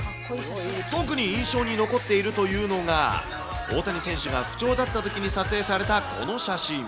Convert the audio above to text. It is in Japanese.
特に印象に残っているというのが、大谷選手が不調だったときに撮影されたこの写真。